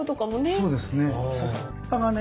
そうですね。